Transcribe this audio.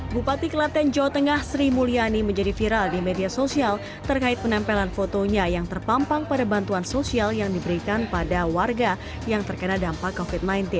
bupati kelaten jawa tengah sri mulyani menjadi viral di media sosial terkait penempelan fotonya yang terpampang pada bantuan sosial yang diberikan pada warga yang terkena dampak covid sembilan belas